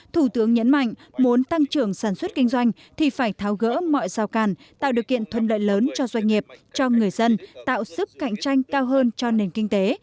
thủ tướng nhấn mạnh muốn tăng trưởng sản xuất kinh doanh thì phải tháo gỡ mọi rào càn tạo điều kiện thuận lợi lớn cho doanh nghiệp cho người dân tạo sức cạnh tranh cao hơn cho nền kinh tế